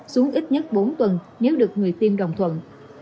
xuống ít nhất bốn tuần nếu được người tiêm đồng thuận